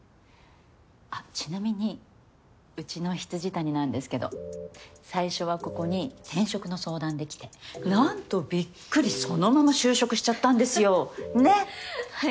あっちなみにうちの未谷なんですけど最初はここに転職の相談で来てなんとびっくりそのまま就職しちゃったんですよ。ははっ。